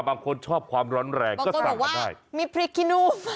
บางคนชอบความร้อนแรงก็สั่งกันได้บางคนบอกว่ามีพริกคินู